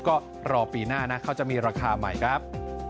ก็รอปีหน้านะเขาจะมีราคาใหม่ครับ